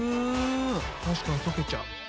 確かに溶けちゃう。